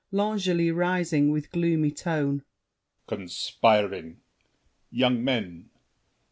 L'ANGELY (rising, with gloomy tone). Conspiring! Young men!